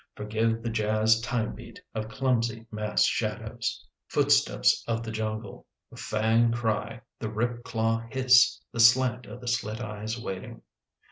Forgive the jazz timebeat of clumsy mass shadows, The Windy City 1 1 footsteps of the jungle, the fang cry, the rip claw hiss, the slant of the slit eyes waiting.